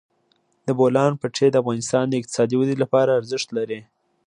د بولان پټي د افغانستان د اقتصادي ودې لپاره ارزښت لري.